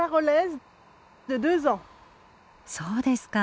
そうですか。